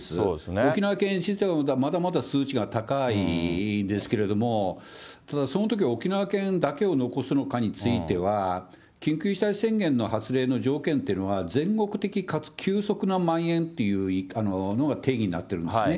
沖縄県自体は、まだまだ数値が高いんですけれども、そのとき沖縄県を残すのかについては、緊急事態宣言の発令の条件っていうのは全国的かつ急速なまん延というのが定義になっているんですね。